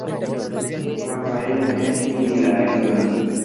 Raphael emerge y la ayuda.